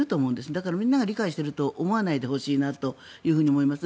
だから、みんなが理解していると思わないでほしいなと思います。